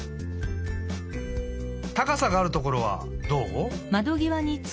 たかさがあるところはどう？